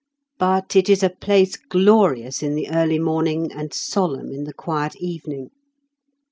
But it is a place glorious in the early morning and solemn in the quiet evening.